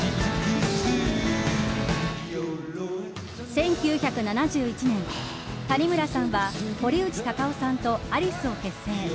１９７１年、谷村さんは堀内孝雄さんとアリスを結成。